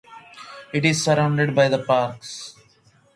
It is surrounded by three parks.